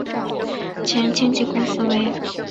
前经纪公司为。